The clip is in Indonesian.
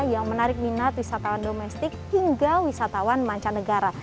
yang menarik minat wisatawan domestik hingga wisatawan mancanegara